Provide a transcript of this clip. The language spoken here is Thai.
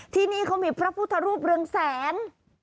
ที่นี่เขามีพระพุทธรูปเรืองแสน